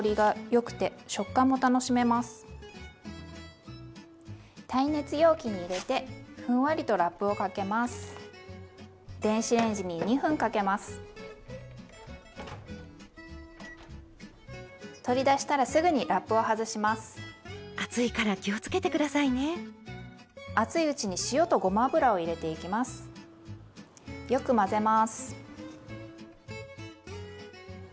よく混ぜます。